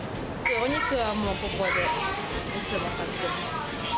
お肉はもうここでいつも買っています。